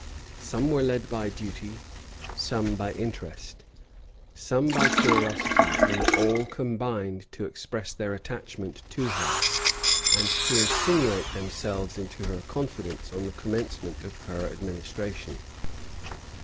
Some were led by duty, some by interest, some by curiosity; and all combined to express their attachment to her, and to insinuate themselves into her confidence on the commencement of her administration.